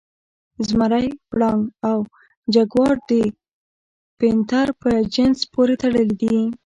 زمری، پړانګ او جګوار د پینتر په جنس پورې تړلي دي.